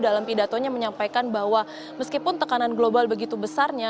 dalam pidatonya menyampaikan bahwa meskipun tekanan global begitu besarnya